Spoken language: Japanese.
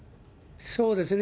そうですね。